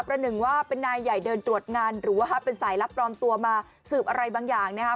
หนึ่งว่าเป็นนายใหญ่เดินตรวจงานหรือว่าเป็นสายลับปลอมตัวมาสืบอะไรบางอย่างนะครับ